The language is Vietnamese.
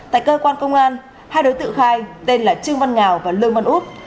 tại cơ quan công an hai đối tượng khai tên là trương văn ngào và lương văn út